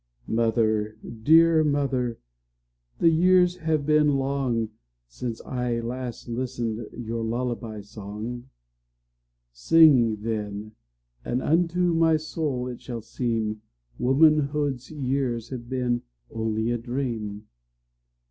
Mother, dear mother, the years have been longSince I last listened your lullaby song:Sing, then, and unto my soul it shall seemWomanhood's years have been only a dream.